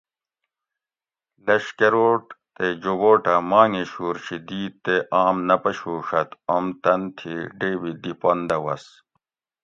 لشکروٹ تے جوبوٹہ مانگشور شی دیت تے آم نہ پشوڛت اوم تنتھی ڈیبی دی پن دہ وس